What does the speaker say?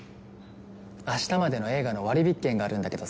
明日までの映画の割引券があるんだけどさ